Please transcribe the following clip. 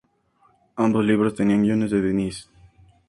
Ambos libros tenían guiones de Diniz.